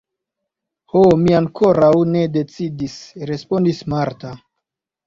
Ho, mi ankoraŭ ne decidis – respondis Marta.